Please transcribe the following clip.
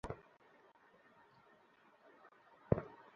গণহত্যার ফলে ক্ষতিগ্রস্ত ব্যক্তিদের প্রকৃত সংখ্যাও কখনো নির্ণয় করা সম্ভব নয়।